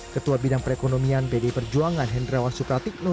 ketua bidang perekonomian bd perjuangan hendrawan soekartikno